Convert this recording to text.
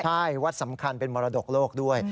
ใช่วัดสำคัญเป็นมรดกโลกด้วย